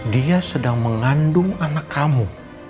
dia sedang mengandung anak kamu